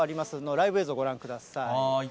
ライブ映像、ご覧ください。